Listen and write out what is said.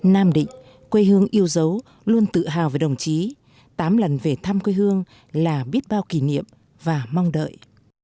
nam định quê hương yêu dấu luôn tự hào về đồng chí tám lần về thăm quê hương là biết bao kỷ niệm và mong đợi